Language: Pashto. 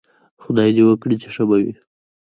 خدای دې وکړي چې ښه به وئ